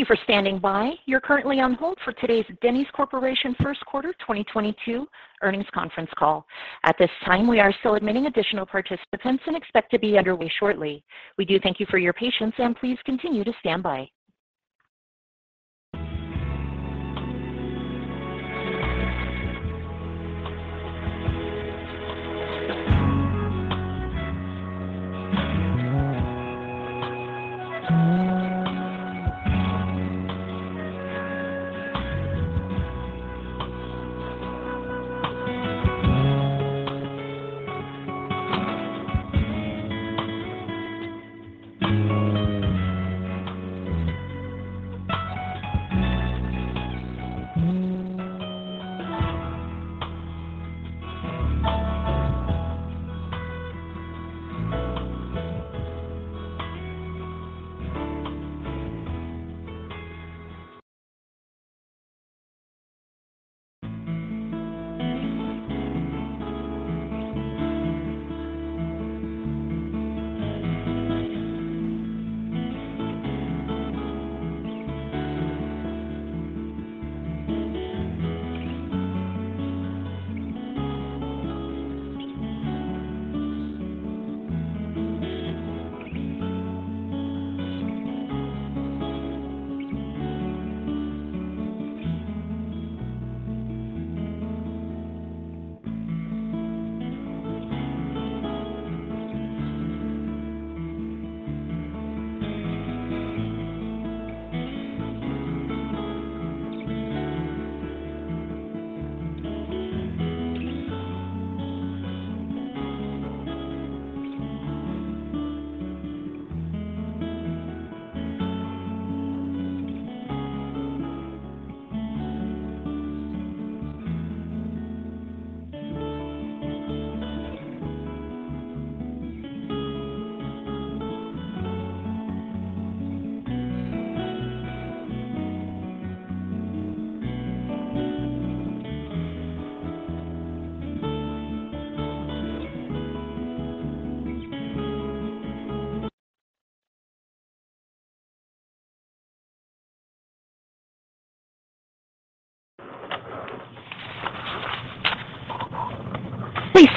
Thank you for standing by. You're currently on hold for today's Denny's Corporation First Quarter 2022 earnings conference call. At this time, we are still admitting additional participants and expect to be underway shortly. We do thank you for your patience, and please continue to stand by.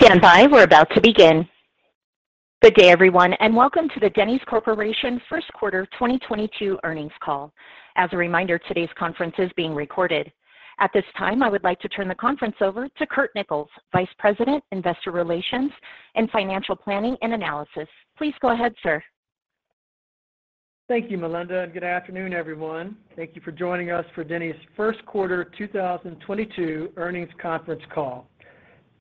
Please stand by. We're about to begin. Good day, everyone, and welcome to the Denny's Corporation First Quarter 2022 earnings call. As a reminder, today's conference is being recorded. At this time, I would like to turn the conference over to Curt Nichols, Vice President, Investor Relations and Financial Planning and Analysis. Please go ahead, sir. Thank you, Melinda, and good afternoon, everyone. Thank you for joining us for Denny's first quarter 2022 earnings conference call.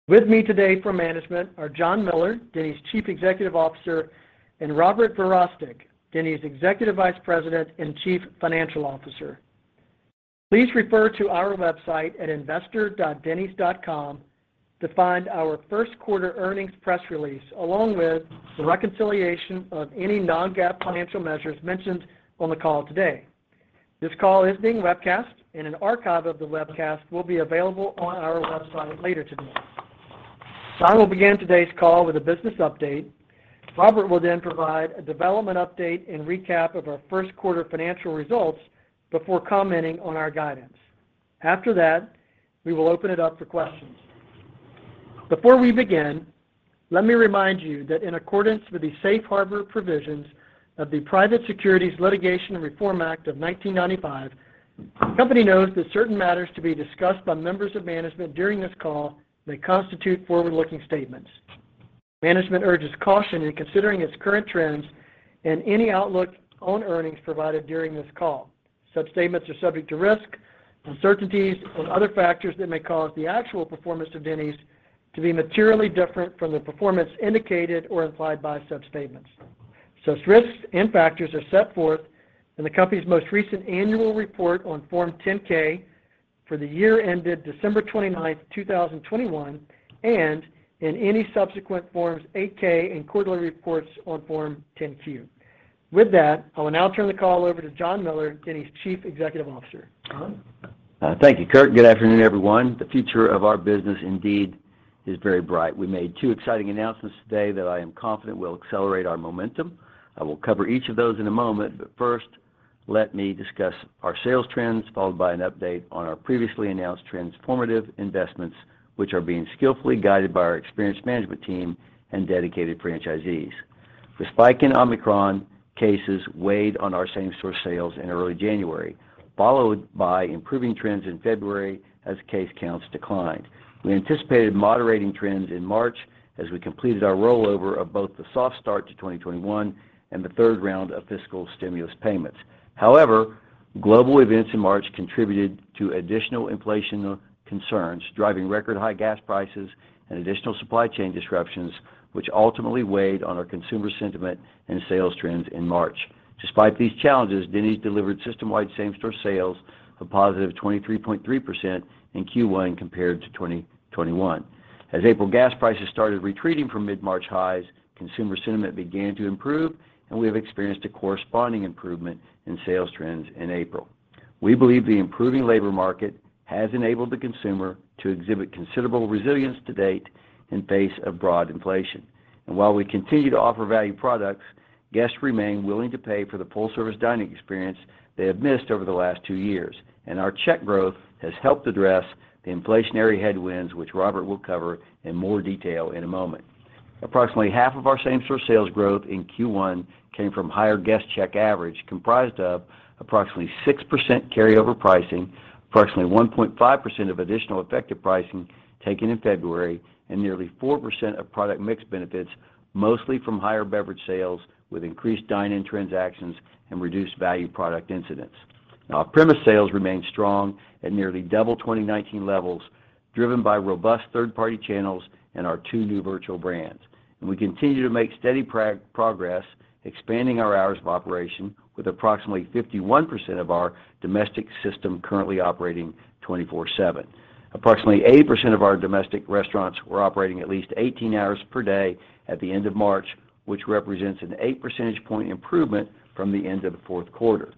With me today from management are John Miller, Denny's Chief Executive Officer, and Robert Verostek, Denny's Executive Vice President and Chief Financial Officer. Please refer to our website at investor.dennys.com to find our first quarter earnings press release, along with the reconciliation of any non-GAAP financial measures mentioned on the call today. This call is being webcast, and an archive of the webcast will be available on our website later today. I will begin today's call with a business update. Robert will then provide a development update and recap of our first quarter financial results before commenting on our guidance. After that, we will open it up for questions. Before we begin, let me remind you that in accordance with the Safe Harbor provisions of the Private Securities Litigation Reform Act of 1995, the company notes that certain matters to be discussed by members of management during this call may constitute forward-looking statements. Management urges caution in considering its current trends and any outlook on earnings provided during this call. Such statements are subject to risk, uncertainties, and other factors that may cause the actual performance of Denny's to be materially different from the performance indicated or implied by such statements. Such risks and factors are set forth in the company's most recent annual report on Form 10-K for the year ended December 29th, 2021, and in any subsequent Forms 8-K and quarterly reports on Form 10-Q. With that, I will now turn the call over to John Miller, Denny's Chief Executive Officer. John. Thank you, Curt, and good afternoon, everyone. The future of our business indeed is very bright. We made two exciting announcements today that I am confident will accelerate our momentum. I will cover each of those in a moment, but first, let me discuss our sales trends, followed by an update on our previously announced transformative investments, which are being skillfully guided by our experienced management team and dedicated franchisees. The spike in Omicron cases weighed on our same-store sales in early January, followed by improving trends in February as case counts declined. We anticipated moderating trends in March as we completed our rollover of both the soft start to 2021 and the third round of fiscal stimulus payments. However, global events in March contributed to additional inflation, concerns, driving record high gas prices and additional supply chain disruptions, which ultimately weighed on our consumer sentiment and sales trends in March. Despite these challenges, Denny's delivered system-wide same-store sales of positive 23.3% in Q1 compared to 2021. As April gas prices started retreating from mid-March highs, consumer sentiment began to improve, and we have experienced a corresponding improvement in sales trends in April. We believe the improving labor market has enabled the consumer to exhibit considerable resilience to date in face of broad inflation. While we continue to offer value products, guests remain willing to pay for the full-service dining experience they have missed over the last two years, and our check growth has helped address the inflationary headwinds which Robert will cover in more detail in a moment. Approximately half of our same-store sales growth in Q1 came from higher guest check average, comprised of approximately 6% carryover pricing, approximately 1.5% of additional effective pricing taken in February, and nearly 4% of product mix benefits, mostly from higher beverage sales with increased dine-in transactions and reduced value product incidents. Now, our on-premise sales remain strong at nearly double 2019 levels, driven by robust third-party channels and our two new virtual brands. We continue to make steady progress expanding our hours of operation with approximately 51% of our domestic system currently operating 24/7. Approximately 80% of our domestic restaurants were operating at least 18 hours per day at the end of March, which represents an 8 percentage point improvement from the end of the fourth quarter.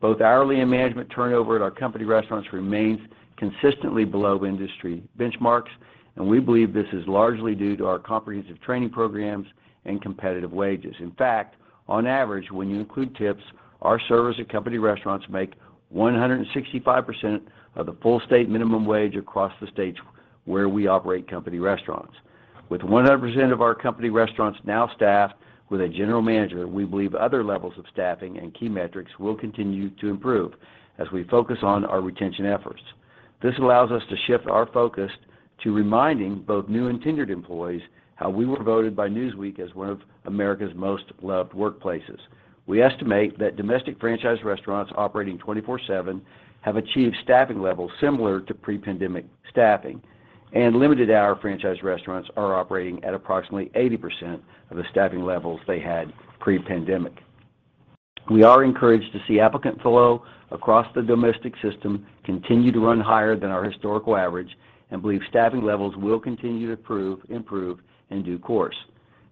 Both hourly and management turnover at our company restaurants remains consistently below industry benchmarks, and we believe this is largely due to our comprehensive training programs and competitive wages. In fact, on average, when you include tips, our servers at company restaurants make 165% of the full state minimum wage across the states where we operate company restaurants. With 100% of our company restaurants now staffed with a general manager, we believe other levels of staffing and key metrics will continue to improve as we focus on our retention efforts. This allows us to shift our focus to reminding both new and tenured employees how we were voted by Newsweek as one of America's most loved workplaces. We estimate that domestic franchise restaurants operating 24/7 have achieved staffing levels similar to pre-pandemic staffing, and limited hour franchise restaurants are operating at approximately 80% of the staffing levels they had pre-pandemic. We are encouraged to see applicant flow across the domestic system continue to run higher than our historical average and believe staffing levels will continue to improve in due course.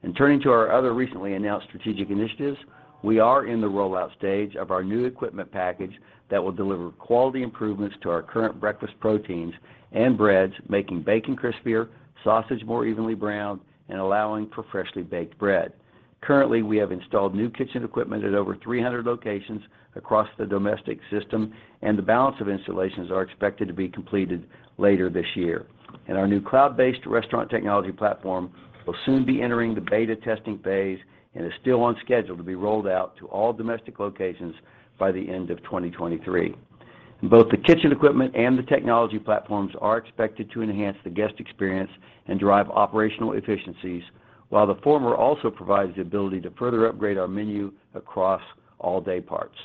In turning to our other recently announced strategic initiatives, we are in the rollout stage of our new equipment package that will deliver quality improvements to our current breakfast proteins and breads, making bacon crispier, sausage more evenly browned, and allowing for freshly baked bread. Currently, we have installed new kitchen equipment at over 300 locations across the domestic system, and the balance of installations are expected to be completed later this year. Our new cloud-based restaurant technology platform will soon be entering the beta testing phase and is still on schedule to be rolled out to all domestic locations by the end of 2023. Both the kitchen equipment and the technology platforms are expected to enhance the guest experience and drive operational efficiencies, while the former also provides the ability to further upgrade our menu across all day parts.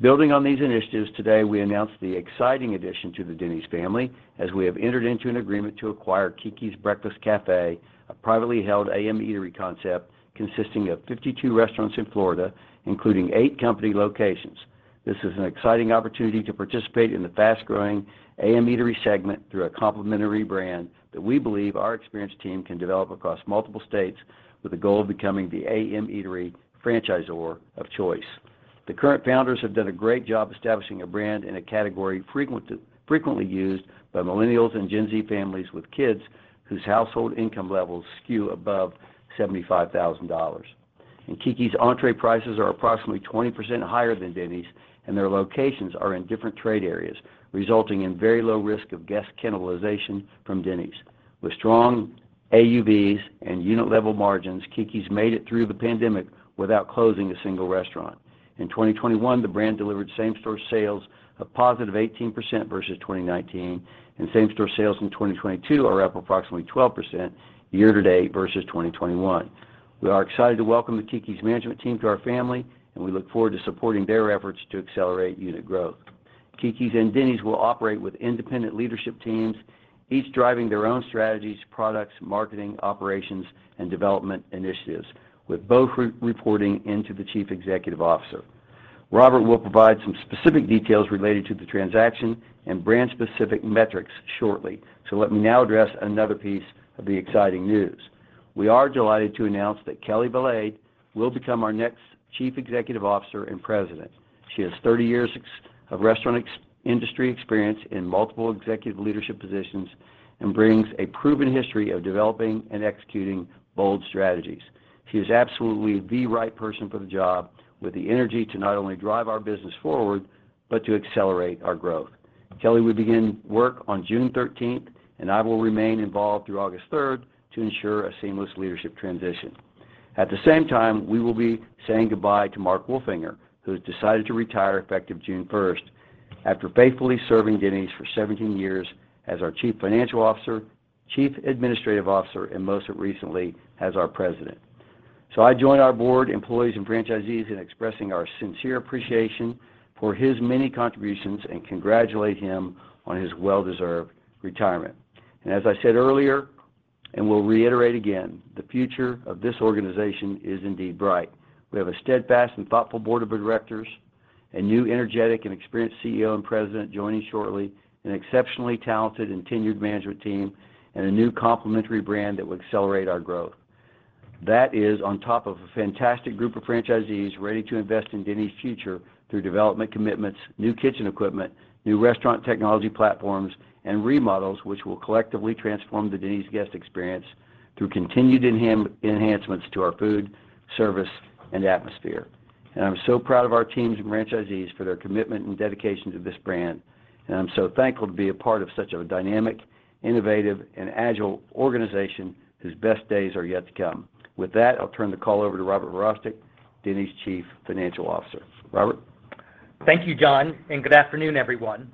Building on these initiatives, today we announced the exciting addition to the Denny's family as we have entered into an agreement to acquire Keke's Breakfast Cafe, a privately held AM eatery concept consisting of 52 restaurants in Florida, including eight company locations. This is an exciting opportunity to participate in the fast-growing AM eatery segment through a complementary brand that we believe our experienced team can develop across multiple states with the goal of becoming the AM eatery franchisor of choice. The current founders have done a great job establishing a brand in a category frequently used by Millennials and Gen Z families with kids whose household income levels skew above $75,000. Keke's entree prices are approximately 20% higher than Denny's, and their locations are in different trade areas, resulting in very low risk of guest cannibalization from Denny's. With strong AUVs and unit-level margins, Keke's made it through the pandemic without closing a single restaurant. In 2021, the brand delivered same-store sales of +18% versus 2019, and same-store sales in 2022 are up approximately 12% year to date versus 2021. We are excited to welcome the Keke's management team to our family, and we look forward to supporting their efforts to accelerate unit growth. Keke's and Denny's will operate with independent leadership teams, each driving their own strategies, products, marketing, operations, and development initiatives, with both reporting into the chief executive officer. Robert will provide some specific details related to the transaction and brand-specific metrics shortly, so let me now address another piece of the exciting news. We are delighted to announce that Kelli Valade will become our next Chief Executive Officer and President. She has 30 years of restaurant industry experience in multiple executive leadership positions and brings a proven history of developing and executing bold strategies. She is absolutely the right person for the job with the energy to not only drive our business forward, but to accelerate our growth. Kelli will begin work on June thirteenth, and I will remain involved through August third to ensure a seamless leadership transition. At the same time, we will be saying goodbye to Mark Wolfinger, who has decided to retire effective June first after faithfully serving Denny's for 17 years as our Chief Financial Officer, Chief Administrative Officer, and most recently as our President. I join our board, employees, and franchisees in expressing our sincere appreciation for his many contributions and congratulate him on his well-deserved retirement. as I said earlier, and will reiterate again, the future of this organization is indeed bright. We have a steadfast and thoughtful board of directors, a new, energetic, and experienced CEO and president joining shortly, an exceptionally talented and tenured management team, and a new complementary brand that will accelerate our growth. That is on top of a fantastic group of franchisees ready to invest in Denny's future through development commitments, new kitchen equipment, new restaurant technology platforms, and remodels, which will collectively transform the Denny's guest experience through continued enhancements to our food, service, and atmosphere. I'm so proud of our teams and franchisees for their commitment and dedication to this brand. I'm so thankful to be a part of such a dynamic, innovative, and agile organization whose best days are yet to come. With that, I'll turn the call over to Robert Verostek, Denny's Chief Financial Officer. Robert? Thank you, John, and good afternoon, everyone.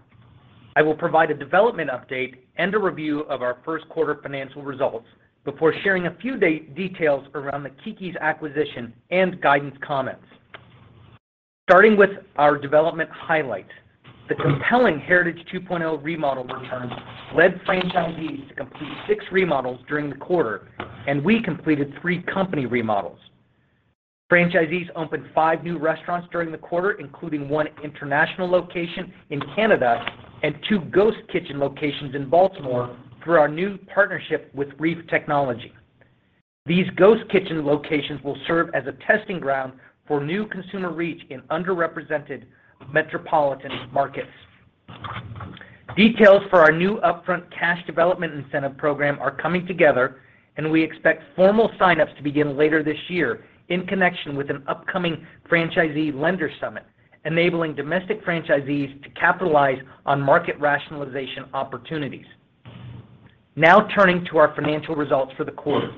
I will provide a development update and a review of our first quarter financial results before sharing a few details around the Keke's acquisition and guidance comments. Starting with our development highlight, the compelling Heritage 2.0 remodel return led franchisees to complete six remodels during the quarter, and we completed three company remodels. Franchisees opened five new restaurants during the quarter, including one international location in Canada and two ghost kitchen locations in Baltimore through our new partnership with REEF Technology. These ghost kitchen locations will serve as a testing ground for new consumer reach in underrepresented metropolitan markets. Details for our new upfront cash development incentive program are coming together, and we expect formal sign-ups to begin later this year in connection with an upcoming franchisee lender summit, enabling domestic franchisees to capitalize on market rationalization opportunities. Now turning to our financial results for the quarter.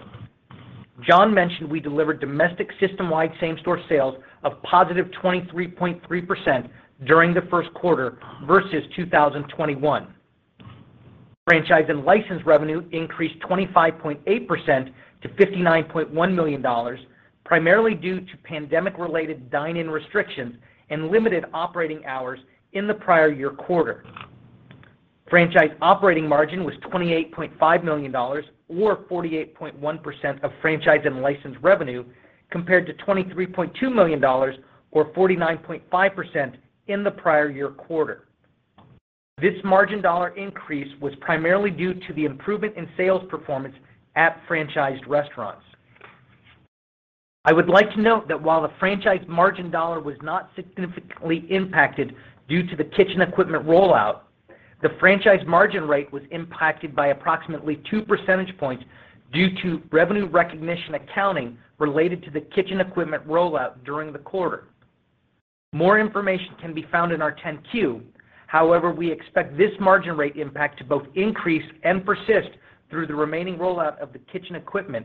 John mentioned we delivered domestic system-wide same-store sales of +23.3% during the first quarter versus 2021. Franchise and license revenue increased 25.8% to $59.1 million, primarily due to pandemic-related dine-in restrictions and limited operating hours in the prior year quarter. Franchise operating margin was $28.5 million or 48.1% of franchise and license revenue compared to $23.2 million or 49.5% in the prior year quarter. This margin dollar increase was primarily due to the improvement in sales performance at franchised restaurants. I would like to note that while the franchise margin dollar was not significantly impacted due to the kitchen equipment rollout, the franchise margin rate was impacted by approximately 2 percentage points due to revenue recognition accounting related to the kitchen equipment rollout during the quarter. More information can be found in our 10-Q. However, we expect this margin rate impact to both increase and persist through the remaining rollout of the kitchen equipment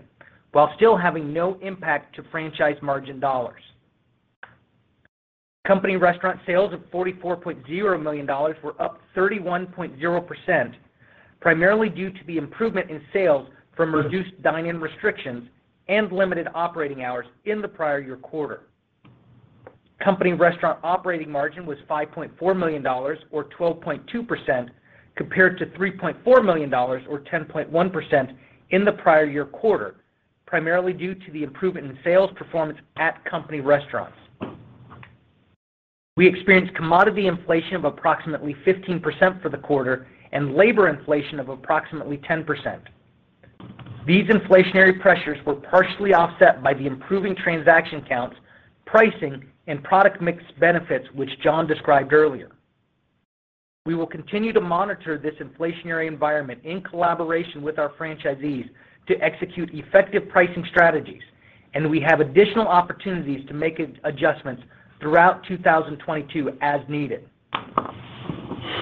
while still having no impact to franchise margin dollars. Company restaurant sales of $44.0 million were up 31.0%, primarily due to the improvement in sales from reduced dine-in restrictions and limited operating hours in the prior year quarter. Company restaurant operating margin was $5.4 million or 12.2% compared to $3.4 million or 10.1% in the prior year quarter, primarily due to the improvement in sales performance at company restaurants. We experienced commodity inflation of approximately 15% for the quarter and labor inflation of approximately 10%. These inflationary pressures were partially offset by the improving transaction counts, pricing, and product mix benefits, which John described earlier. We will continue to monitor this inflationary environment in collaboration with our franchisees to execute effective pricing strategies, and we have additional opportunities to make adjustments throughout 2022 as needed.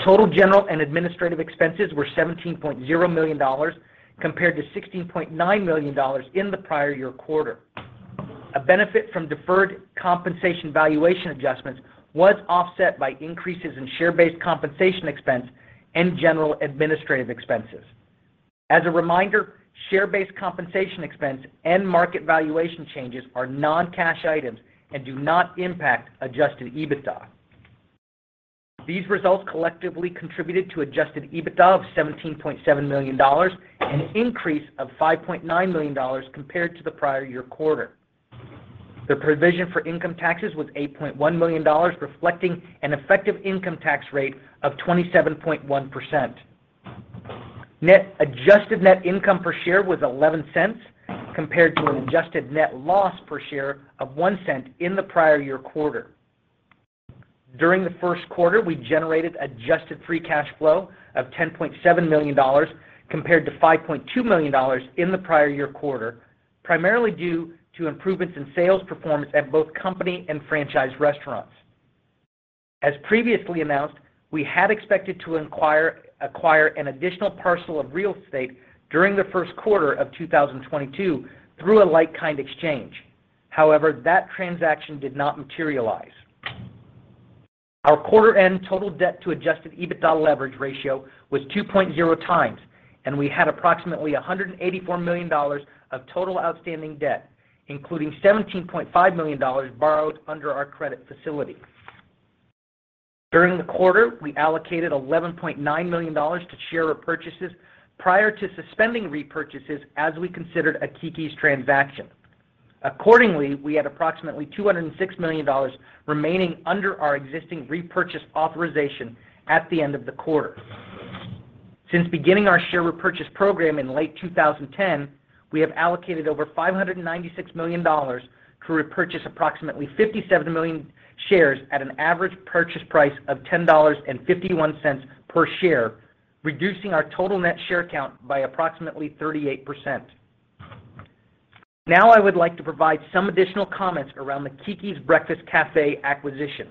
Total general and administrative expenses were $17.0 million compared to $16.9 million in the prior year quarter. A benefit from deferred compensation valuation adjustments was offset by increases in share-based compensation expense and general administrative expenses. As a reminder, share-based compensation expense and market valuation changes are non-cash items and do not impact adjusted EBITDA. These results collectively contributed to adjusted EBITDA of $17.7 million, an increase of $5.9 million compared to the prior year quarter. The provision for income taxes was $8.1 million, reflecting an effective income tax rate of 27.1%. Net adjusted net income per share was $0.11 compared to an adjusted net loss per share of $0.01 in the prior year quarter. During the first quarter, we generated adjusted free cash flow of $10.7 million compared to $5.2 million in the prior year quarter, primarily due to improvements in sales performance at both company and franchise restaurants. As previously announced, we had expected to acquire an additional parcel of real estate during the first quarter of 2022 through a like-kind exchange. However, that transaction did not materialize. Our quarter-end total debt to adjusted EBITDA leverage ratio was 2.0x, and we had approximately $184 million of total outstanding debt, including $17.5 million borrowed under our credit facility. During the quarter, we allocated $11.9 million to share repurchases prior to suspending repurchases as we considered a Keke's transaction. Accordingly, we had approximately $206 million remaining under our existing repurchase authorization at the end of the quarter. Since beginning our share repurchase program in late 2010, we have allocated over $596 million to repurchase approximately 57 million shares at an average purchase price of $10.51 per share, reducing our total net share count by approximately 38%. Now I would like to provide some additional comments around the Keke's Breakfast Cafe acquisition.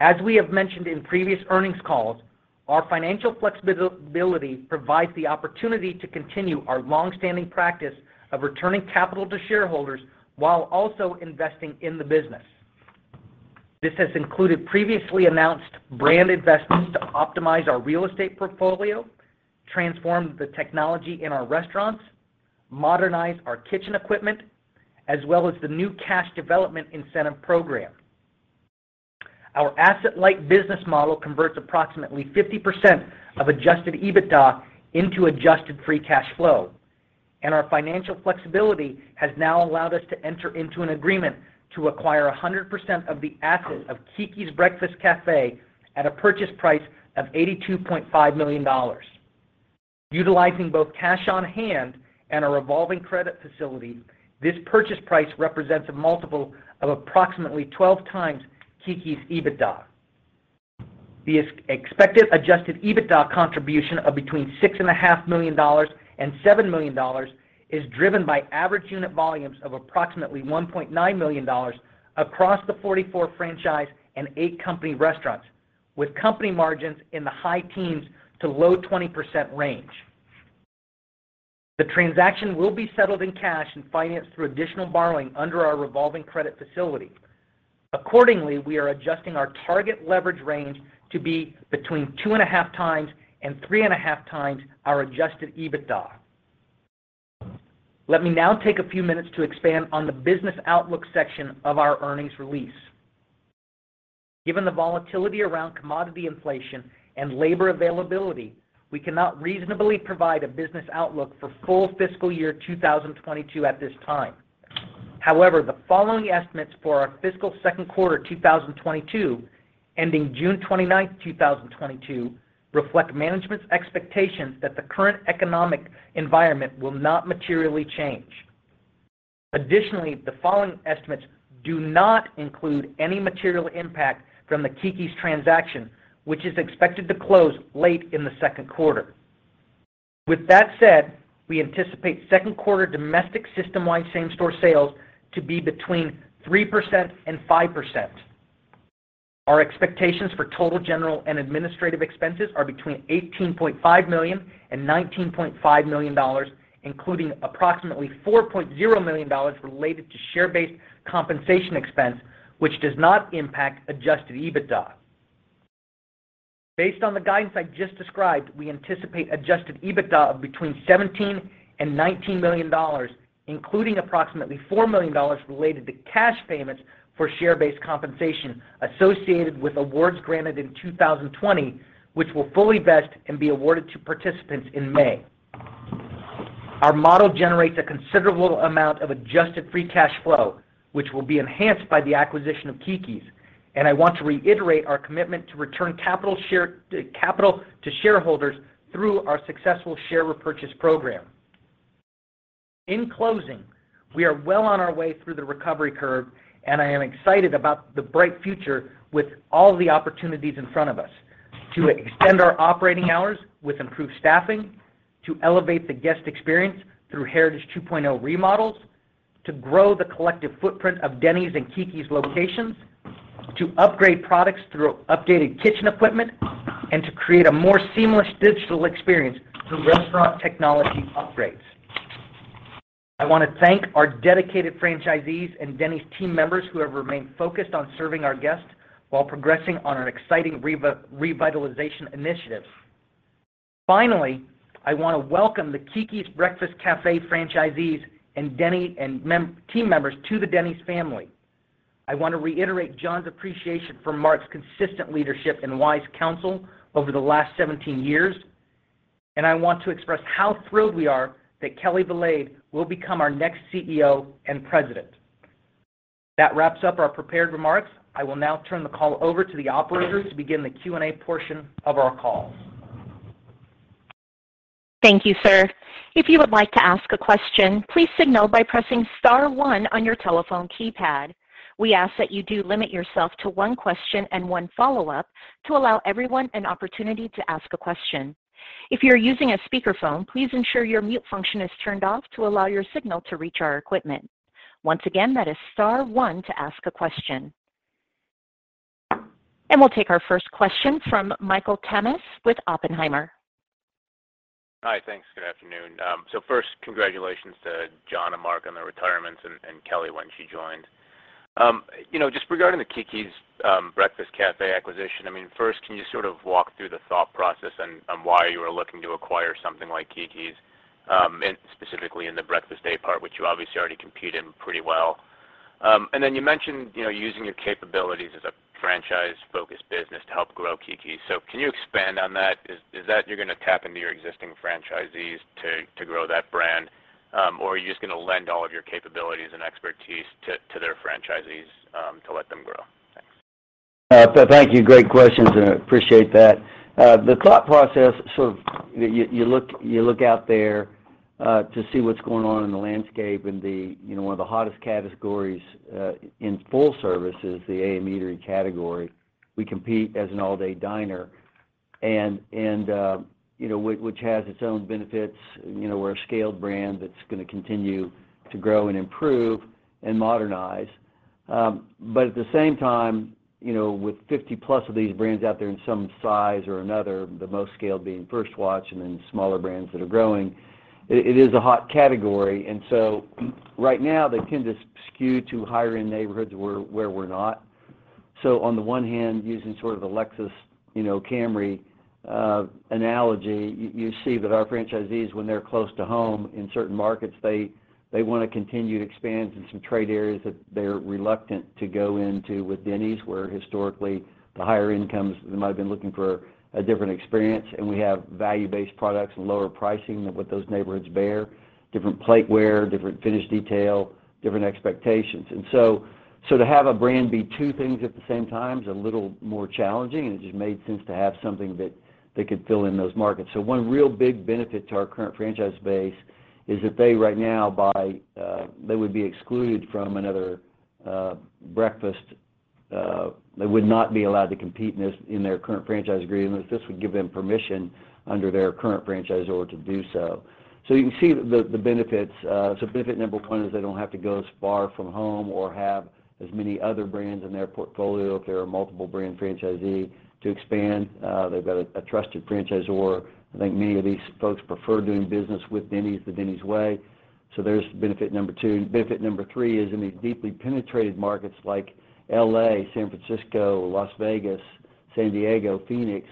As we have mentioned in previous earnings calls, our financial flexibility and ability provides the opportunity to continue our long-standing practice of returning capital to shareholders while also investing in the business. This has included previously announced brand investments to optimize our real estate portfolio, transform the technology in our restaurants, modernize our kitchen equipment, as well as the new cash development incentive program. Our asset-light business model converts approximately 50% of adjusted EBITDA into adjusted free cash flow. Our financial flexibility has now allowed us to enter into an agreement to acquire 100% of the assets of Keke's Breakfast Cafe at a purchase price of $82.5 million. Utilizing both cash on hand and a revolving credit facility, this purchase price represents a multiple of approximately 12x Keke's EBITDA. The expected adjusted EBITDA contribution of between $6.5 million and $7 million is driven by average unit volumes of approximately $1.9 million across the 44 franchise and eight company restaurants, with company margins in the high teens to low 20% range. The transaction will be settled in cash and financed through additional borrowing under our revolving credit facility. Accordingly, we are adjusting our target leverage range to be between 2.5x and 3.5x our adjusted EBITDA. Let me now take a few minutes to expand on the business outlook section of our earnings release. Given the volatility around commodity inflation and labor availability, we cannot reasonably provide a business outlook for full fiscal year 2022 at this time. However, the following estimates for our fiscal second quarter 2022 ending June 29, 2022 reflect management's expectations that the current economic environment will not materially change. Additionally, the following estimates do not include any material impact from the Keke's transaction, which is expected to close late in the second quarter. With that said, we anticipate second quarter domestic system-wide same-store sales to be between 3% and 5%. Our expectations for total general and administrative expenses are between $18.5 million and $19.5 million, including approximately $4.0 million related to share-based compensation expense, which does not impact adjusted EBITDA. Based on the guidance I just described, we anticipate adjusted EBITDA of between $17 million and $19 million, including approximately $4 million related to cash payments for share-based compensation associated with awards granted in 2020, which will fully vest and be awarded to participants in May. Our model generates a considerable amount of adjusted free cash flow, which will be enhanced by the acquisition of Keke's, and I want to reiterate our commitment to return capital to shareholders through our successful share repurchase program. In closing, we are well on our way through the recovery curve, and I am excited about the bright future with all the opportunities in front of us to extend our operating hours with improved staffing, to elevate the guest experience through Heritage 2.0 remodels, to grow the collective footprint of Denny's and Keke's locations, to upgrade products through updated kitchen equipment, and to create a more seamless digital experience through restaurant technology upgrades. I want to thank our dedicated franchisees and Denny's team members who have remained focused on serving our guests while progressing on an exciting revitalization initiative. Finally, I want to welcome the Keke's Breakfast Cafe franchisees and Denny's and team members to the Denny's family. I want to reiterate John's appreciation for Mark's consistent leadership and wise counsel over the last 17 years, and I want to express how thrilled we are that Kelli Valade will become our next CEO and president. That wraps up our prepared remarks. I will now turn the call over to the operators to begin the Q&A portion of our call. Thank you, sir. If you would like to ask a question, please signal by pressing star one on your telephone keypad. We ask that you do limit yourself to one question and one follow-up to allow everyone an opportunity to ask a question. If you're using a speakerphone, please ensure your mute function is turned off to allow your signal to reach our equipment. Once again, that is star one to ask a question. We'll take our first question from Michael Tamas with Oppenheimer. Hi. Thanks. Good afternoon. First, congratulations to John and Mark on their retirements and Kelli when she joins. You know, just regarding the Keke's Breakfast Cafe acquisition, I mean, first, can you sort of walk through the thought process and on why you are looking to acquire something like Keke's, specifically in the breakfast daypart, which you obviously already compete in pretty well. Then you mentioned, you know, using your capabilities as a franchise-focused business to help grow Keke's. Can you expand on that? Is that you're gonna tap into your existing franchisees to grow that brand? Or are you just gonna lend all of your capabilities and expertise to their franchisees to let them grow? Thank you. Great questions, and I appreciate that. The thought process, sort of, you look out there to see what's going on in the landscape and, you know, one of the hottest categories in full service is the AM eatery category. We compete as an all-day diner, and you know, which has its own benefits. You know, we're a scaled brand that's gonna continue to grow and improve and modernize. But at the same time, you know, with 50+ of these brands out there in some size or another, the most scaled being First Watch, and then smaller brands that are growing, it is a hot category. Right now, they tend to skew to higher-end neighborhoods where we're not. On the one hand, using sort of the Lexus, you know, Camry analogy, you see that our franchisees, when they're close to home in certain markets, they wanna continue to expand into some trade areas that they're reluctant to go into with Denny's, where historically the higher incomes, they might have been looking for a different experience. We have value-based products and lower pricing than what those neighborhoods bear, different plateware, different finish detail, different expectations. To have a brand be two things at the same time is a little more challenging, and it just made sense to have something that could fill in those markets. One real big benefit to our current franchise base is that they right now buy, they would be excluded from another breakfast. They would not be allowed to compete in this in their current franchise agreement. This would give them permission under their current franchisor to do so. You can see the benefits. Benefit number one is they don't have to go as far from home or have as many other brands in their portfolio if they're a multiple brand franchisee to expand. They've got a trusted franchisor. I think many of these folks prefer doing business with Denny's the Denny's way, so there's benefit number two. Benefit number three is in these deeply penetrated markets like L.A., San Francisco, Las Vegas, San Diego, Phoenix,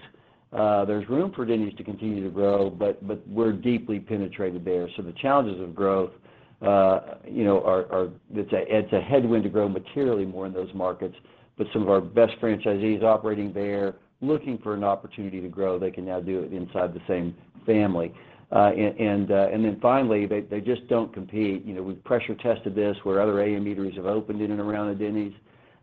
there's room for Denny's to continue to grow, but we're deeply penetrated there. The challenges of growth, you know, are. It's a headwind to grow materially more in those markets. Some of our best franchisees operating there looking for an opportunity to grow, they can now do it inside the same family. Finally, they just don't compete. You know, we've pressure tested this where other AM eateries have opened in and around a Denny's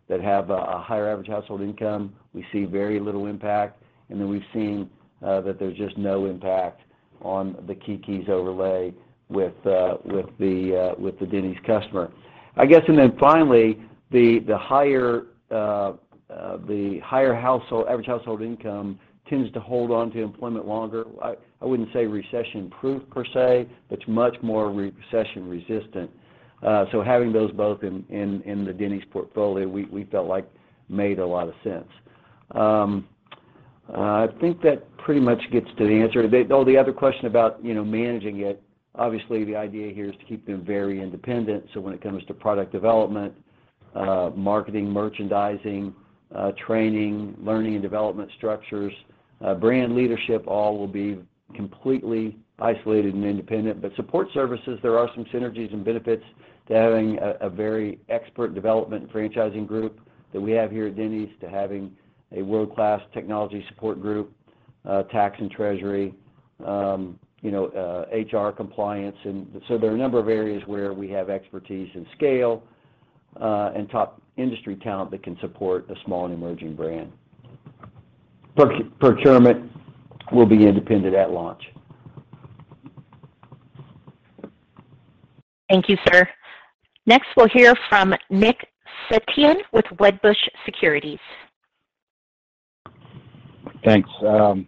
that have a higher average household income. We see very little impact. We've seen that there's just no impact on the Keke's overlay with the Denny's customer. Finally, the higher average household income tends to hold on to employment longer. I wouldn't say recession-proof per se, but it's much more recession resistant. Having those both in the Denny's portfolio, we felt like made a lot of sense. I think that pretty much gets to the answer. The other question about, you know, managing it, obviously the idea here is to keep them very independent, so when it comes to product development, marketing, merchandising, training, learning and development structures, brand leadership, all will be completely isolated and independent. Support services, there are some synergies and benefits to having a very expert development franchising group that we have here at Denny's, to having a world-class technology support group, tax and treasury, you know, HR compliance, and so there are a number of areas where we have expertise and scale, and top industry talent that can support a small and emerging brand. Procurement will be independent at launch. Thank you, sir. Next, we'll hear from Nick Setyan with Wedbush Securities. Thanks. John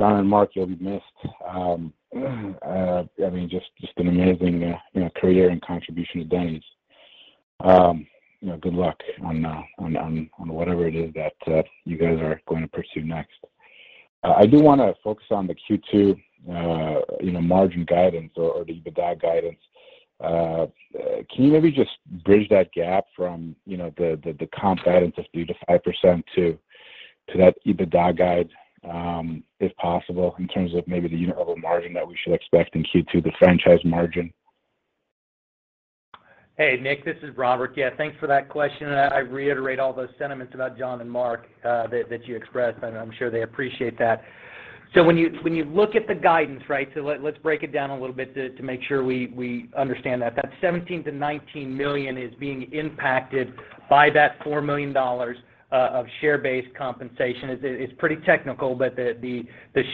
and Mark, you'll be missed. I mean, just an amazing, you know, career and contribution to Denny's. You know, good luck on whatever it is that you guys are going to pursue next. I do wanna focus on the Q2, you know, margin guidance or the EBITDA guidance. Can you maybe just bridge that gap from, you know, the comp guidance of 3%-5% to that EBITDA guide, if possible in terms of maybe the unit level margin that we should expect in Q2, the franchise margin? Hey, Nick. This is Robert. Yeah, thanks for that question, and I reiterate all those sentiments about John and Mark that you expressed, and I'm sure they appreciate that. When you look at the guidance, right? Let's break it down a little bit to make sure we understand that. That $17 million-$19 million is being impacted by that $4 million of share-based compensation. It's pretty technical, but the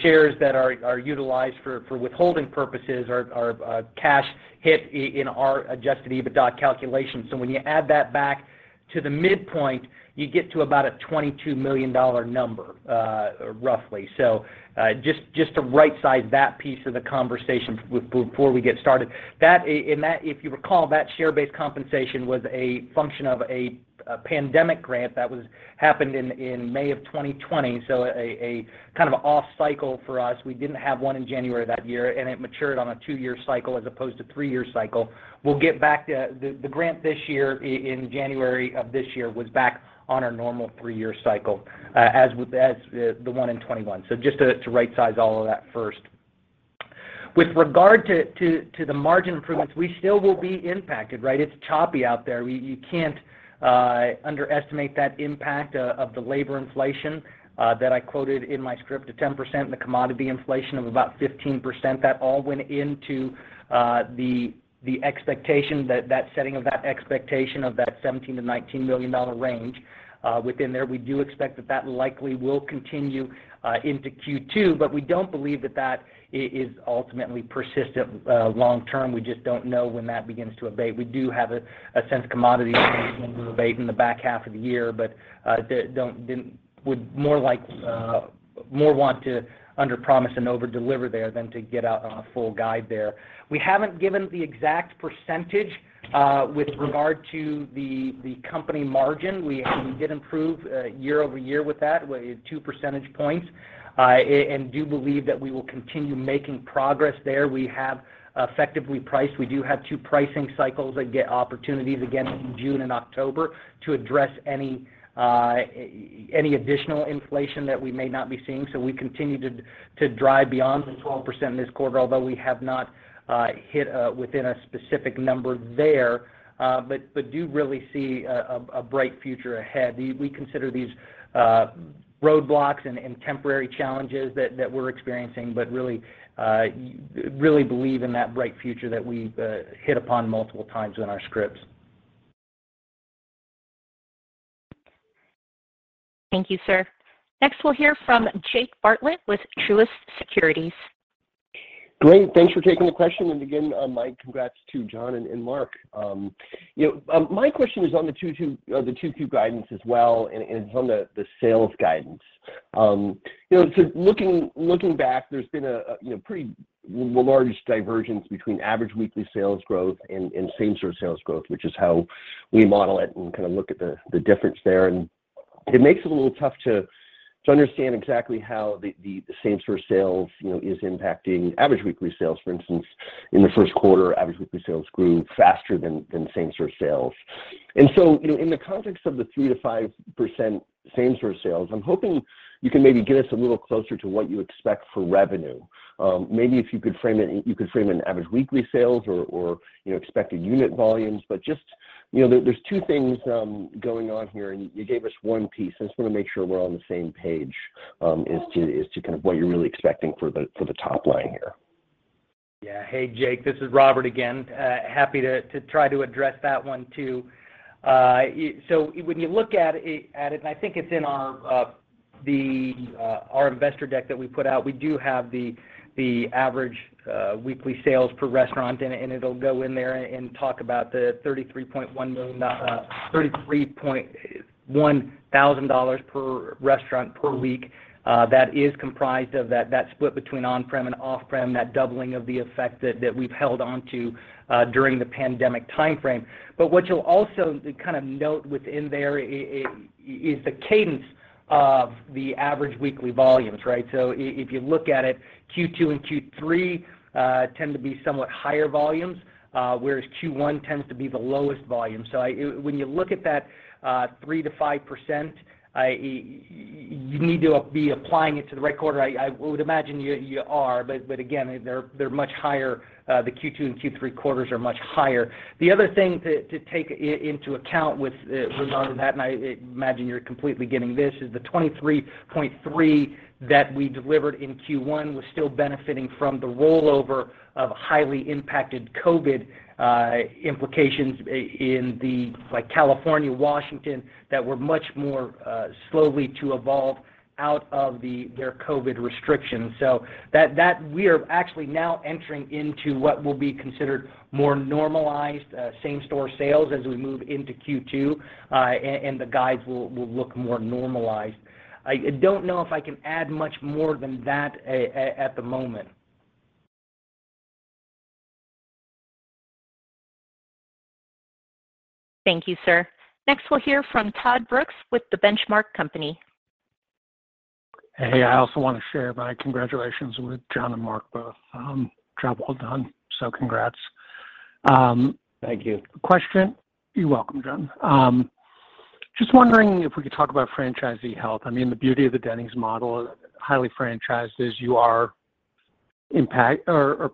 shares that are utilized for withholding purposes are cash hit in our adjusted EBITDA calculation. When you add that back to the midpoint, you get to about a $22 million number, roughly. Just to right size that piece of the conversation before we get started. That, if you recall, that share-based compensation was a function of a pandemic grant that happened in May of 2020, so a kind of an off cycle for us. We didn't have one in January that year, and it matured on a two-year cycle as opposed to three-year cycle. We'll get back to the grant this year in January of this year was back on our normal three-year cycle, as the one in 2021. Just to right size all of that first. With regard to the margin improvements, we still will be impacted, right? It's choppy out there. You can't underestimate that impact of the labor inflation that I quoted in my script of 10%, the commodity inflation of about 15%. That all went into the expectation that setting of that expectation of that $17 million-$19 million range within there. We do expect that likely will continue into Q2, but we don't believe that is ultimately persistent long term. We just don't know when that begins to abate. We do have a sense commodity abate in the back half of the year, but would more like more want to underpromise and overdeliver there than to get out on a full guide there. We haven't given the exact percentage with regard to the company margin. We did improve year-over-year with that, with 2 percentage points. And do believe that we will continue making progress there. We have effectively priced. We do have two pricing cycles that get opportunities again in June and October to address any additional inflation that we may not be seeing. We continue to drive beyond the 12% this quarter, although we have not hit within a specific number there, but do really see a bright future ahead. We consider these roadblocks and temporary challenges that we're experiencing but really believe in that bright future that we hit upon multiple times in our scripts. Thank you, sir. Next, we'll hear from Jake Bartlett with Truist Securities. Great. Thanks for taking the question. Again, my congrats to John and Mark. My question is on the 2022 guidance as well, and it's on the sales guidance. Looking back, there's been a pretty large divergence between average weekly sales growth and same-store sales growth, which is how we model it and kind of look at the difference there. It makes it a little tough to understand exactly how the same-store sales is impacting average weekly sales. For instance, in the first quarter, average weekly sales grew faster than same-store sales. You know, in the context of the 3%-5% same-store sales, I'm hoping you can maybe get us a little closer to what you expect for revenue. Maybe if you could frame it in average weekly sales or, you know, expected unit volumes. But just, you know, there's two things going on here, and you gave us one piece. I just want to make sure we're on the same page as to kind of what you're really expecting for the top line here. Hey, Jake, this is Robert again. Happy to try to address that one too. So when you look at it, and I think it's in our investor deck that we put out. We do have the average weekly sales per restaurant, and it'll go in there and talk about the $33.1 thousand dollars per restaurant per week. That is comprised of that split between on-prem and off-prem, that doubling of the effect that we've held on to during the pandemic timeframe. What you'll also kind of note within there is the cadence of the average weekly volumes, right? If you look at it, Q2 and Q3 tend to be somewhat higher volumes, whereas Q1 tends to be the lowest volume. I... When you look at that, 3%-5%, you need to be applying it to the right quarter. I would imagine you are, but again, they're much higher. The Q2 and Q3 quarters are much higher. The other thing to take into account with regard to that, and I imagine you're completely getting this, is the 23.3% that we delivered in Q1 was still benefiting from the rollover of highly impacted COVID implications in the, like California, Washington, that were much more slowly to evolve out of their COVID restrictions. So that we are actually now entering into what will be considered more normalized same-store sales as we move into Q2, and the guides will look more normalized. I don't know if I can add much more than that at the moment. Thank you, sir. Next, we'll hear from Todd Brooks with The Benchmark Company. Hey. I also want to share my congratulations with John and Mark both. Job well done, so congrats. Thank you. You're welcome, John. Just wondering if we could talk about franchisee health. I mean, the beauty of the Denny's model, highly franchised, is you are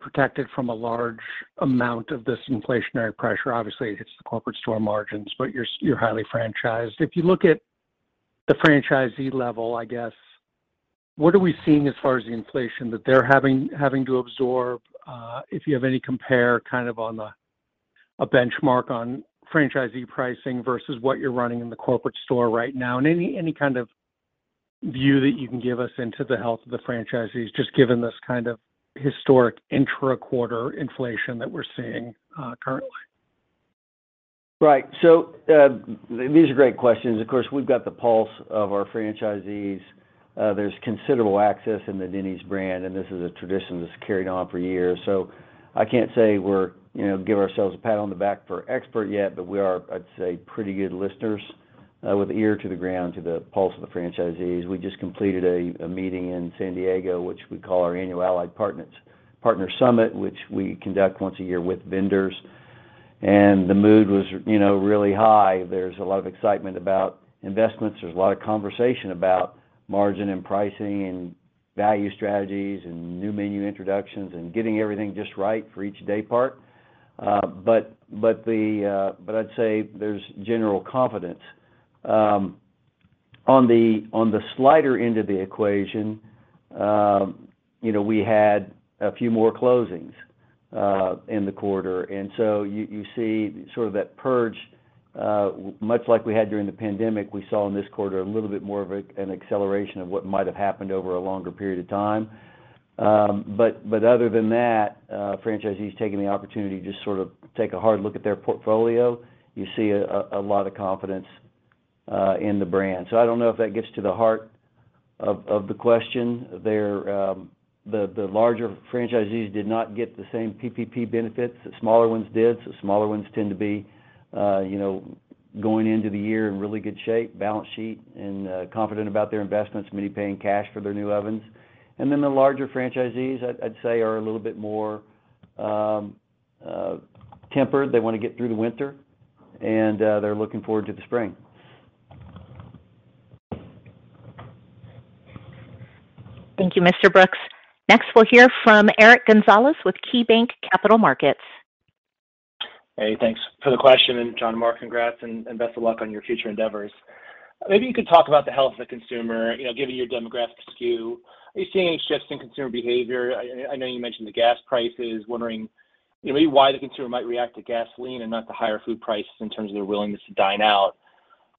protected from a large amount of this inflationary pressure. Obviously, it hits the corporate store margins, but you're highly franchised. If you look at the franchisee level, I guess, what are we seeing as far as the inflation that they're having to absorb? If you have any kind of benchmark on franchisee pricing versus what you're running in the corporate store right now. Any kind of view that you can give us into the health of the franchisees, just given this kind of historic intra-quarter inflation that we're seeing currently. Right. These are great questions. Of course, we've got the pulse of our franchisees. There's considerable assets in the Denny's brand, and this is a tradition that's carried on for years. I can't say we're, you know, give ourselves a pat on the back for being experts yet, but we are, I'd say, pretty good listeners, with ear to the ground to the pulse of the franchisees. We just completed a meeting in San Diego, which we call our Annual Allied Partner Summit, which we conduct once a year with vendors. The mood was, you know, really high. There's a lot of excitement about investments. There's a lot of conversation about margin and pricing and value strategies and new menu introductions and getting everything just right for each day part. I'd say there's general confidence. On the slimmer end of the equation, you know, we had a few more closings in the quarter. You see sort of that purge, much like we had during the pandemic. We saw in this quarter a little bit more of an acceleration of what might have happened over a longer period of time. But other than that, franchisees taking the opportunity to sort of take a hard look at their portfolio. You see a lot of confidence in the brand. I don't know if that gets to the heart of the question. The larger franchisees did not get the same PPP benefits that smaller ones did. Smaller ones tend to be, you know, going into the year in really good shape, balance sheet, and confident about their investments, many paying cash for their new ovens. The larger franchisees, I'd say, are a little bit more tempered. They want to get through the winter, and they're looking forward to the spring. Thank you, Mr. Brooks. Next, we'll hear from Eric Gonzalez with KeyBanc Capital Markets. Hey, thanks for the question, and John Miller, congrats and best of luck on your future endeavors. Maybe you could talk about the health of the consumer. You know, given your demographic skew, are you seeing any shifts in consumer behavior? I know you mentioned the gas prices, wondering, you know, maybe why the consumer might react to gasoline and not to higher food prices in terms of their willingness to dine out.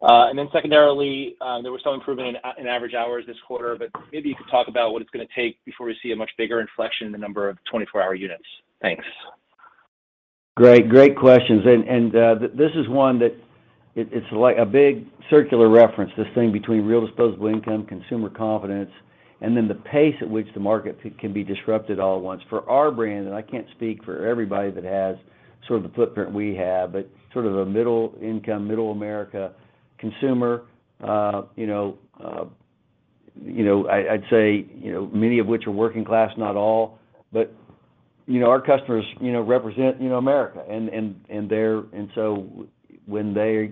Then secondarily, there was some improvement in average hours this quarter, but maybe you could talk about what it's going to take before we see a much bigger inflection in the number of 24-hour units. Thanks. Great. Great questions. This is one that it's like a big circular reference, this thing between real disposable income, consumer confidence, and then the pace at which the market can be disrupted all at once. For our brand, I can't speak for everybody that has sort of the footprint we have, but sort of a middle income, middle America consumer, you know, I'd say, you know, many of which are working class, not all, but, you know, our customers, you know, represent, you know, America, and so when their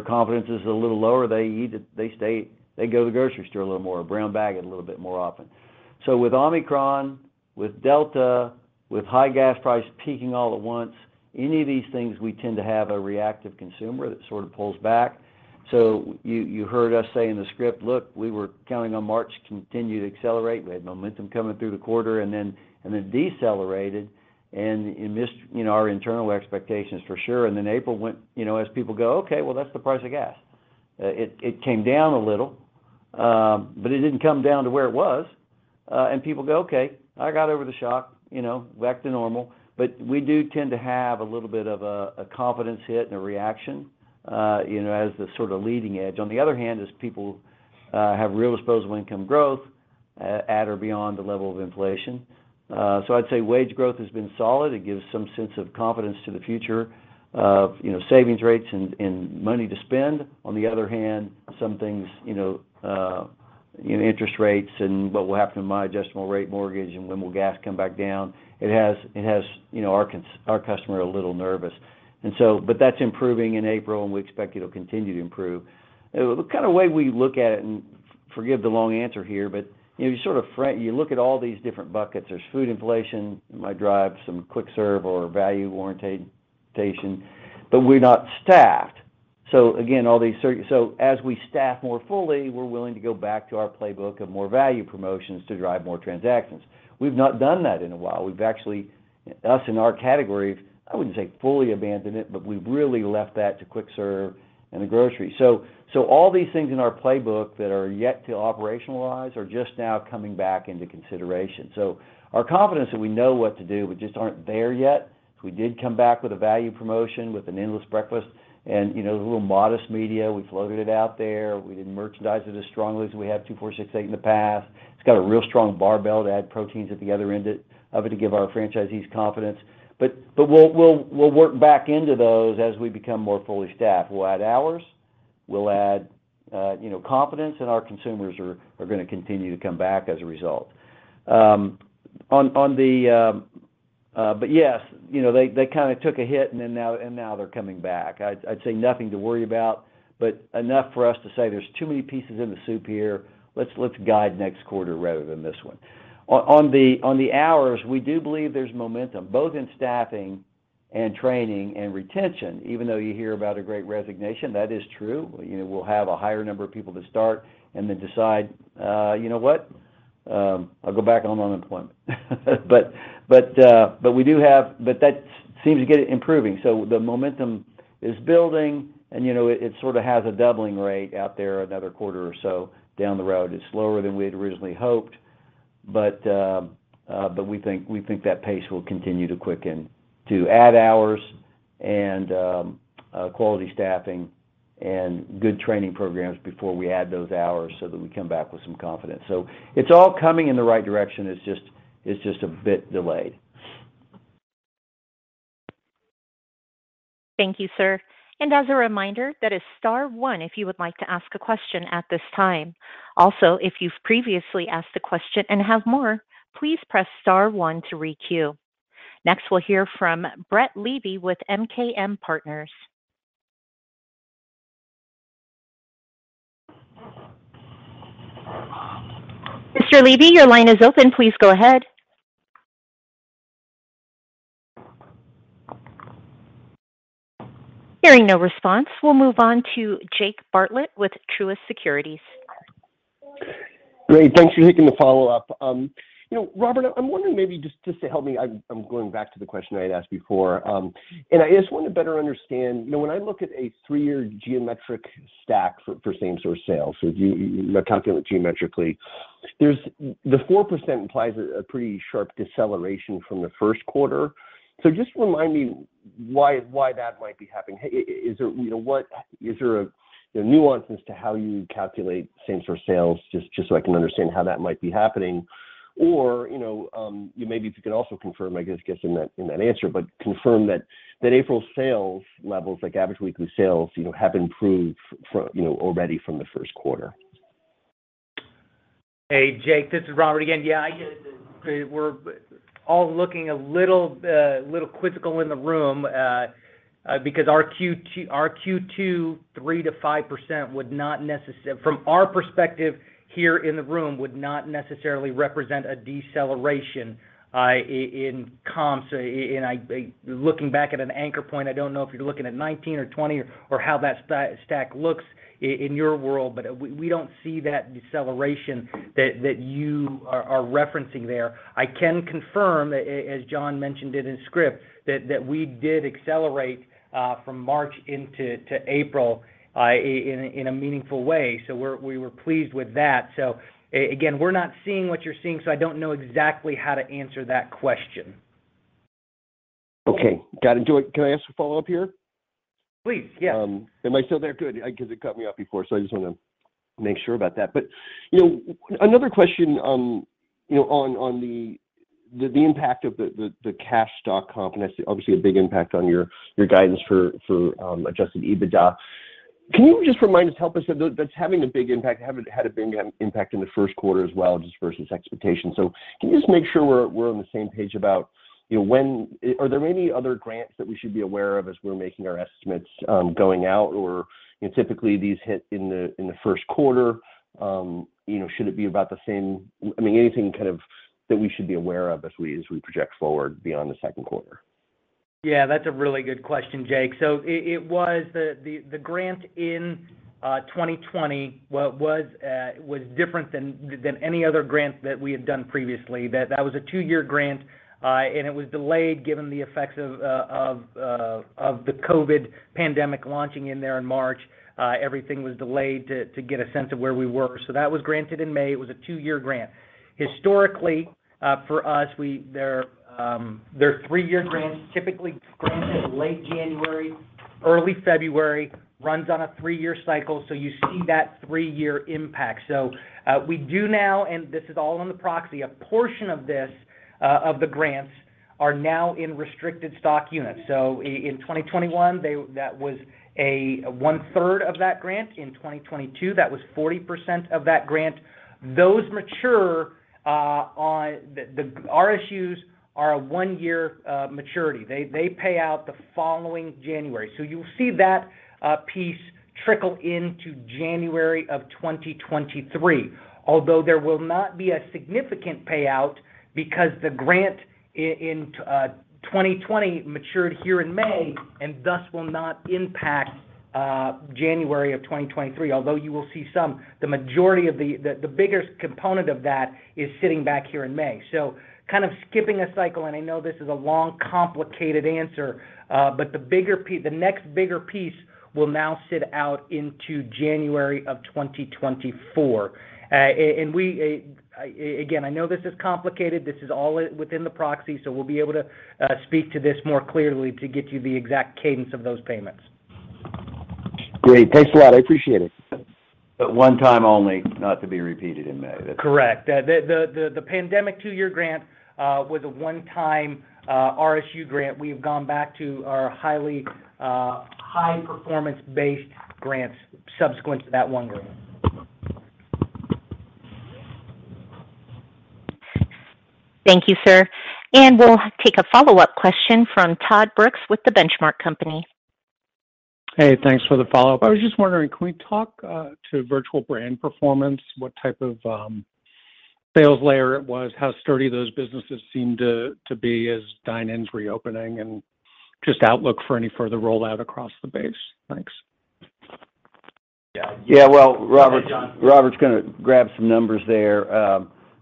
confidence is a little lower, they go to the grocery store a little more, brown bag it a little bit more often. With Omicron, with Delta, with high gas prices peaking all at once, any of these things, we tend to have a reactive consumer that sort of pulls back. You heard us say in the script, "Look, we were counting on March to continue to accelerate." We had momentum coming through the quarter and then decelerated and it missed, you know, our internal expectations for sure. April went, you know, as people go, "Okay, well, that's the price of gas." It came down a little, but it didn't come down to where it was. People go, "Okay, I got over the shock," you know, back to normal. We do tend to have a little bit of a confidence hit and a reaction, you know, as the sort of leading edge. On the other hand, as people have real disposable income growth at or beyond the level of inflation. I'd say wage growth has been solid. It gives some sense of confidence to the future of, you know, savings rates and money to spend. On the other hand, some things, you know, interest rates and what will happen to my adjustable rate mortgage and when will gas come back down, it has our customer a little nervous. That's improving in April, and we expect it'll continue to improve. The kind of way we look at it, and forgive the long answer here, but, you know, you sort of look at all these different buckets. There's food inflation. It might drive some quick serve or value orientation, but we're not staffed. As we staff more fully, we're willing to go back to our playbook of more value promotions to drive more transactions. We've not done that in a while. We've actually, us in our category, I wouldn't say fully abandoned it, but we've really left that to quick service and the grocery. All these things in our playbook that are yet to operationalize are just now coming back into consideration. Our confidence that we know what to do, we just aren't there yet. We did come back with a value promotion, with an endless breakfast and, you know, the little modest media. We floated it out there. We didn't merchandise it as strongly as we had two portion segments in the past. It's got a real strong barbell to add proteins at the other end of it to give our franchisees confidence. We'll work back into those as we become more fully staffed. We'll add hours. We'll add, you know, confidence, and our consumers are gonna continue to come back as a result. Yes, you know, they kind of took a hit and then now they're coming back. I'd say nothing to worry about, but enough for us to say there's too many pieces in the soup here. Let's guide next quarter rather than this one. On the hours, we do believe there's momentum, both in staffing and training and retention, even though you hear about the Great Resignation. That is true. You know, we'll have a higher number of people to start and then decide, you know what, I'll go back on unemployment. That seems to be improving. The momentum is building and, you know, it sort of has a doubling rate out there another quarter or so down the road. It's slower than we had originally hoped, but we think that pace will continue to quicken to add hours and quality staffing and good training programs before we add those hours so that we come back with some confidence. It's all coming in the right direction. It's just a bit delayed. Thank you, sir. As a reminder, that is star one if you would like to ask a question at this time. Also, if you've previously asked a question and have more, please press star one to re-queue. Next, we'll hear from Brett Levy with MKM Partners. Mr. Levy, your line is open. Please go ahead. Hearing no response, we'll move on to Jake Bartlett with Truist Securities. Great. Thanks for taking the follow-up. You know, Robert, I'm wondering maybe just to help me. I'm going back to the question I had asked before. I just wanted to better understand, you know, when I look at a three-year geometric stack for same store sales, so you calculate geometrically, there's the 4% implies a pretty sharp deceleration from the first quarter. Just remind me why that might be happening. Hey, is there, you know, what is there a, you know, nuance as to how you calculate same store sales? Just so I can understand how that might be happening. You know, maybe if you could also confirm, I guess that in that answer, but confirm that April sales levels, like average weekly sales, you know, have improved from, you know, already from the first quarter. Hey, Jake, this is Robert again. Yeah, I get it. We're all looking a little quizzical in the room because our Q2 3%-5% would not, from our perspective here in the room, necessarily represent a deceleration in comp. Looking back at an anchor point, I don't know if you're looking at 2019 or 2020 or how that stack looks in your world, but we don't see that deceleration that you are referencing there. I can confirm, as John mentioned it in script, that we did accelerate from March into April in a meaningful way. We were pleased with that. Again, we're not seeing what you're seeing, so I don't know exactly how to answer that question. Okay. Got it. Can I ask a follow-up here? Please, yeah. Am I still there? Good, because it cut me off before, so I just want to make sure about that. You know, another question, you know, on the impact of the cash stock comp, and that's obviously a big impact on your guidance for adjusted EBITDA. Can you just remind us, help us. That's having a big impact. Had a big impact in the first quarter as well, just versus expectations. Can you just make sure we're on the same page about, you know, when. Are there any other grants that we should be aware of as we're making our estimates going out? Or, you know, typically these hit in the first quarter. You know, should it be about the same. I mean, anything kind of that we should be aware of as we project forward beyond the second quarter? Yeah, that's a really good question, Jake. It was the grant in 2020 was different than any other grant that we had done previously. That was a two-year grant, and it was delayed given the effects of the COVID pandemic launching in there in March. Everything was delayed to get a sense of where we were. That was granted in May. It was a two-year grant. Historically, for us, they're three-year grants, typically granted late January, early February, runs on a three-year cycle. You see that three-year impact. We do now, and this is all in the proxy, a portion of this of the grants are now in restricted stock units. In 2021, that was a 1/3 of that grant. In 2022, that was 40% of that grant. Those mature on the. Our issues are a one-year maturity. They pay out the following January. You'll see that piece trickle into January of 2023. Although there will not be a significant payout because the grant in 2020 matured here in May and thus will not impact January of 2023. Although you will see some. The biggest component of that is sitting back here in May. Kind of skipping a cycle, and I know this is a long, complicated answer, but the next bigger piece will now sit out into January of 2024. And we. Again, I know this is complicated. This is all within the proxy, so we'll be able to speak to this more clearly to get you the exact cadence of those payments. Great. Thanks a lot. I appreciate it. One time only, not to be repeated in May. Correct. The pandemic two-year grant was a one-time RSU grant. We've gone back to our highly high-performance based grants subsequent to that one grant. Thank you, sir. We'll take a follow-up question from Todd Brooks with The Benchmark Company. Hey, thanks for the follow-up. I was just wondering, can we talk to virtual brand performance, what type of sales layer it was, how sturdy those businesses seem to be as dine-in's reopening, and just outlook for any further rollout across the base? Thanks. Yeah. Yeah. Well, Robert. Go ahead, John. Robert's gonna grab some numbers there.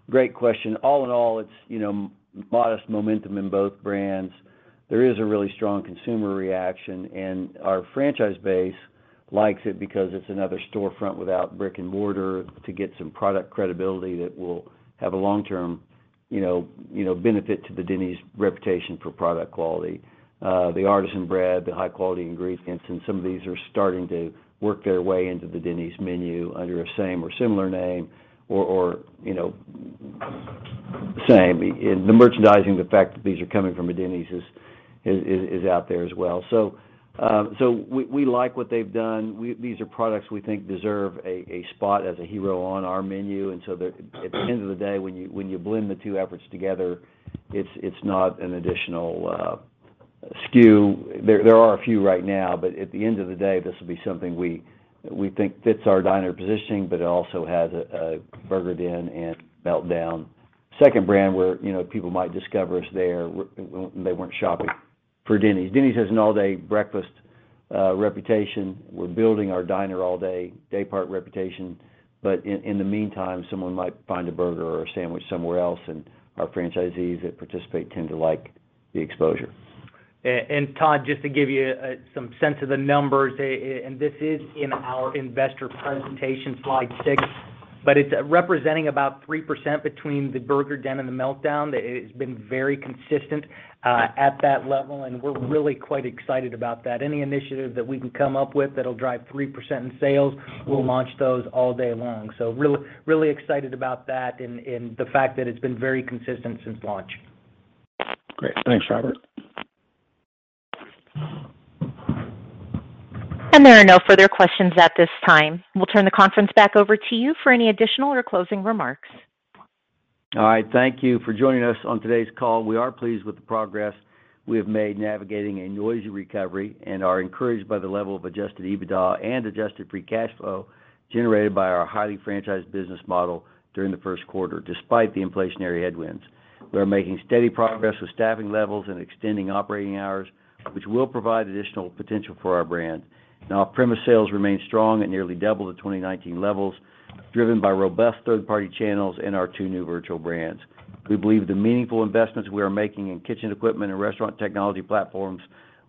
Great question. All in all, it's, you know, modest momentum in both brands. There is a really strong consumer reaction, and our franchise base likes it because it's another storefront without brick and mortar to get some product credibility that will have a long-term, you know, benefit to the Denny's reputation for product quality. The artisan bread, the high-quality ingredients, and some of these are starting to work their way into the Denny's menu under a same or similar name or, you know, same. In the merchandising, the fact that these are coming from a Denny's is It's out there as well. We like what they've done. These are products we think deserve a spot as a hero on our menu. At the end of the day when you blend the two efforts together, it's not an additional SKU. There are a few right now, but at the end of the day, this will be something we think fits our diner positioning, but it also has a Burger Den and Meltdown second brand where, you know, people might discover us there when they weren't shopping for Denny's. Denny's has an all-day breakfast reputation. We're building our diner all day daypart reputation. In the meantime, someone might find a burger or a sandwich somewhere else, and our franchisees that participate tend to like the exposure. Todd, just to give you some sense of the numbers, and this is in our investor presentation, slide six, but it's representing about 3% between The Burger Den and The Meltdown. It has been very consistent at that level, and we're really quite excited about that. Any initiative that we can come up with that'll drive 3% in sales, we'll launch those all day long. Really excited about that in the fact that it's been very consistent since launch. Great. Thanks, Robert. There are no further questions at this time. We'll turn the conference back over to you for any additional or closing remarks. All right. Thank you for joining us on today's call. We are pleased with the progress we have made navigating a noisy recovery and are encouraged by the level of adjusted EBITDA and adjusted free cash flow generated by our highly franchised business model during the first quarter, despite the inflationary headwinds. We are making steady progress with staffing levels and extending operating hours, which will provide additional potential for our brand. Our on-premise sales remain strong at nearly double the 2019 levels, driven by robust third-party channels and our two new virtual brands. We believe the meaningful investments we are making in kitchen equipment and restaurant technology platforms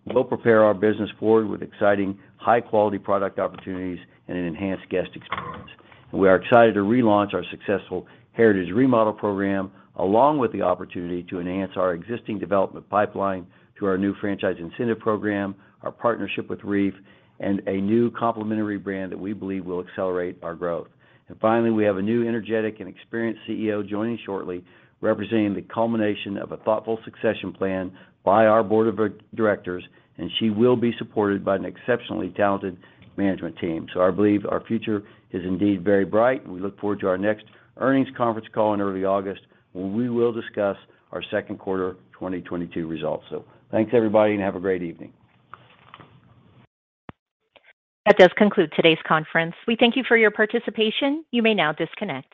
will prepare our business forward with exciting high-quality product opportunities and an enhanced guest experience. We are excited to relaunch our successful Heritage Remodel program, along with the opportunity to enhance our existing development pipeline through our new franchise incentive program, our partnership with Reef, and a new complimentary brand that we believe will accelerate our growth. Finally, we have a new energetic and experienced CEO joining shortly, representing the culmination of a thoughtful succession plan by our board of directors, and she will be supported by an exceptionally talented management team. I believe our future is indeed very bright, and we look forward to our next earnings conference call in early August, when we will discuss our second quarter 2022 results. Thanks everybody, and have a great evening. That does conclude today's conference. We thank you for your participation. You may now disconnect.